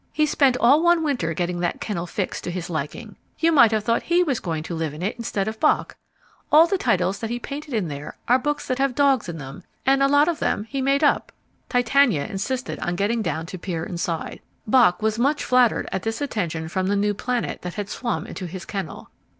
"He spent all one winter getting that kennel fixed to his liking. You might have thought he was going to live in it instead of Bock. All the titles that he painted in there are books that have dogs in them, and a lot of them he made up." Titania insisted on getting down to peer inside. Bock was much flattered at this attention from the new planet that had swum into his kennel.